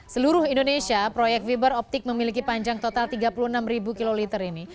seluruh indonesia proyek fiber optik memiliki panjang total tiga puluh enam kiloliter ini